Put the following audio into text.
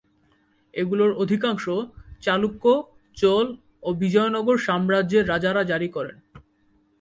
এগুলোর অধিকাংশ চালুক্য, চোল ও বিজয়নগর সাম্রাজ্যের রাজারা জারি করেন।